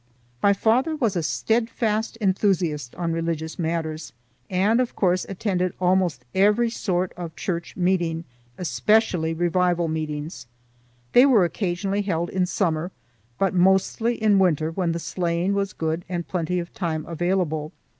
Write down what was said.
My father was a steadfast enthusiast on religious matters, and, of course, attended almost every sort of church meeting, especially revival meetings. They were occasionally held in summer, but mostly in winter when the sleighing was good and plenty of time available.